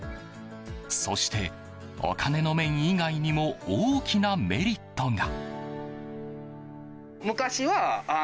そして、お金の面以外にも大きなメリットが。